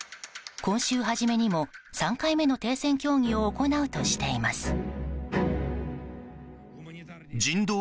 今週初めにも３回目の停戦協議を行うとしています。